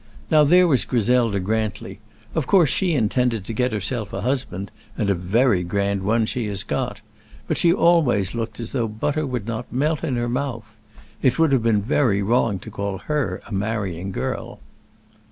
Now there was Griselda Grantly; of course she intended to get herself a husband, and a very grand one she has got; but she always looked as though butter would not melt in her mouth. It would have been very wrong to call her a marrying girl."